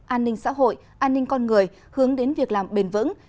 an ninh xã hội an ninh con người hướng đến việc làm bền vững